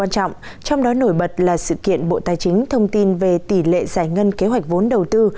trong đó nổi bật là sự kiện bộ tài chính thông tin về tỷ lệ giải ngân kế hoạch vốn đầu tư